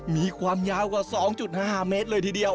มีความยาวกว่า๒๕เมตรเลยทีเดียว